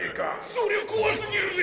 そりゃ恐すぎるぜ。